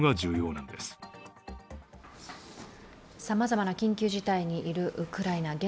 さまざまな緊急事態にいるウクライナ。